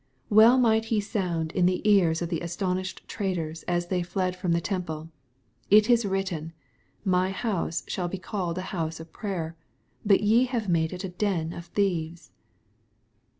Well might He sound in the ears of the astonished traders, as they fled from the temple :" It is written, My house shall be called the house of prayer ; but ye have made it a den of thieves."